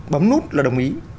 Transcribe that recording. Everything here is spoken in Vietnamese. bấm nút là đồng ý